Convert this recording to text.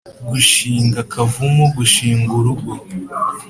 gushinga akavumu: gushing urugo